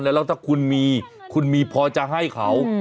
แล้วถ้าคุณมีคุณมีพอจะให้เขา